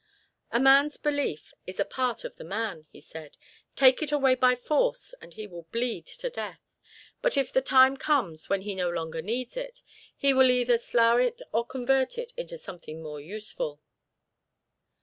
"A man's belief is a part of the man," he said. "Take it away by force and he will bleed to death; but if the time comes when he no longer needs it, he will either slough it or convert it into something more useful."